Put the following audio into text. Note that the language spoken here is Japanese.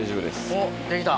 おっできた。